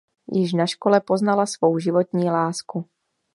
Již na škole poznala svou životní lásku.